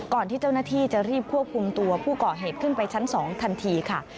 ที่เจ้าหน้าที่จะรีบควบคุมตัวผู้ก่อเหตุขึ้นไปชั้น๒ทันทีค่ะ